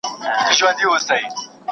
ته څه پوه شوې؟